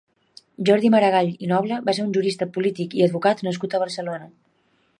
Jordi Maragall i Noble va ser un jurista, polític i advocat nascut a Barcelona.